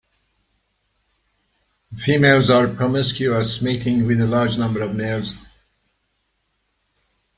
Females are promiscuous, mating with a large number of males.